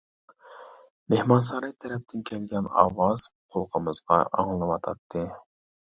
مېھمانساراي تەرەپتىن كەلگەن ئاۋاز قۇلىقىمىزغا ئاڭلىنىۋاتاتتى.